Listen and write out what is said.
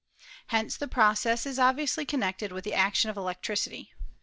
Hence the process is ob viously connected with the action of electricity.